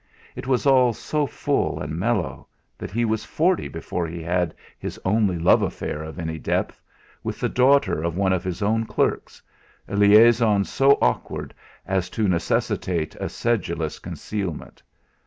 It was all so full and mellow that he was forty before he had his only love affair of any depth with the daughter of one of his own clerks, a liaison so awkward as to necessitate a sedulous concealment.